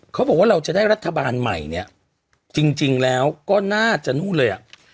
เขาบอกว่าเราจะได้รัฐบาลใหม่เนี่ยจริงแล้วก็น่าจะนู่นเลยอ่ะ